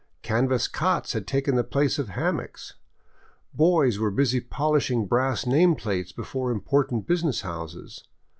Canvas cots had taken the place of hammocks. Boys were busy polishing brass name plates before important business houses.